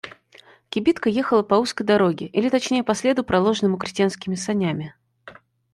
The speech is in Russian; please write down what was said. Кибитка ехала по узкой дороге, или точнее по следу, проложенному крестьянскими санями.